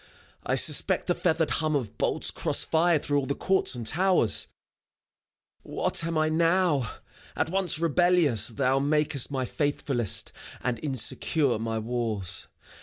I suspect the feathered hum Of bolts cross fired through all the courts and towers. What am I now? At once rebellious thou Makest my faithfullest, and insecure My walls.